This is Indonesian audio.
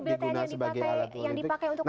kalau bpn yang dipakai untuk kata kata bpn itu gimana